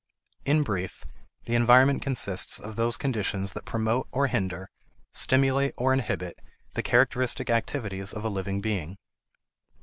In brief, the environment consists of those conditions that promote or hinder, stimulate or inhibit, the characteristic activities of a living being.